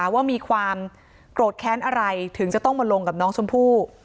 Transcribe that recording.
ว่ามีความโกรธแค้นอะไรถึงจะต้องมาลงกับน้องชมพู่